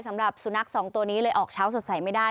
สำหรับสุนัขสองตัวนี้เลยออกเช้าสดใสไม่ได้